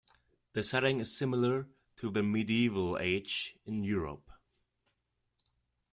The setting is similar to the medieval age in Europe.